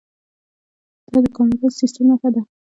دا د کاناډا د سیستم نښه ده.